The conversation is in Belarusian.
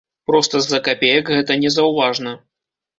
Проста з-за капеек гэта незаўважна.